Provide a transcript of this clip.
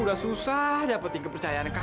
udah susah dapetin kepercayaan kamu aya